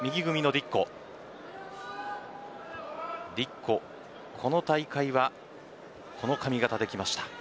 ディッコはこの大会はこの髪形できました。